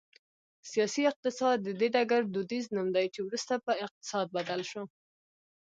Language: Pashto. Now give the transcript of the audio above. سیاسي اقتصاد د دې ډګر دودیز نوم دی چې وروسته په اقتصاد بدل شو